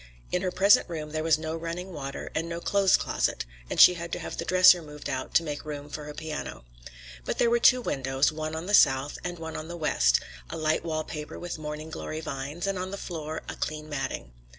In her present room there was no running water and no clothes closet, and she had to have the dresser moved out to make room for her piano. But there were two windows, one on the south and one on the west, a light wall paper with morning glory vines, and on the floor a clean matting.